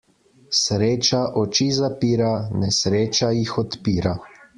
Sreča oči zapira, nesreča jih odpira.